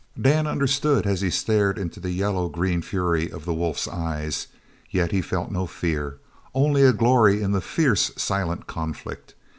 Dan understood as he stared into the yellow green fury of the wolf's eyes, yet he felt no fear, only a glory in the fierce, silent conflict.